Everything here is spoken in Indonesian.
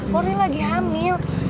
murni lagi hamil